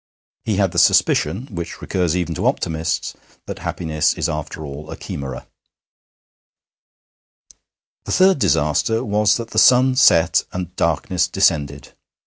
He had the suspicion, which recurs even to optimists, that happiness is after all a chimera. The third disaster was that the sun set and darkness descended.